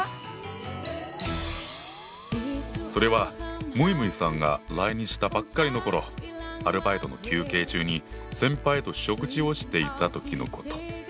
それはむいむいさんが来日したばっかりの頃アルバイトの休憩中に先輩と食事をしていた時のこと。